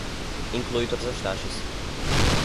Inclui todas as taxas.